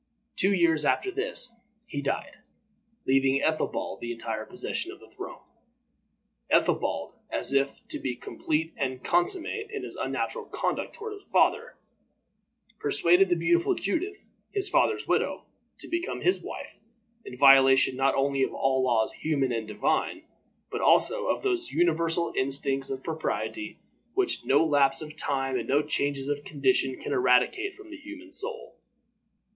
Two years after this he died, leaving Ethelbald the entire possession of the throne. Ethelbald, as if to complete and consummate his unnatural conduct toward his father, persuaded the beautiful Judith, his father's widow, to become his wife, in violation not only of all laws human and divine, but also of those universal instincts of propriety which no lapse of time and no changes of condition can eradicate from the human soul.